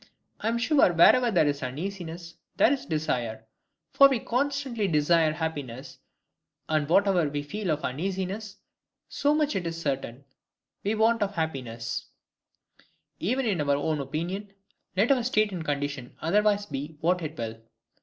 I am sure wherever there is uneasiness, there is desire. For we constantly desire happiness; and whatever we feel of uneasiness, so much it is certain we want of happiness; even in our own opinion, let our state and condition otherwise be what it will.